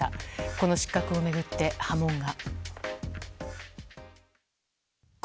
この失格を巡って波紋が。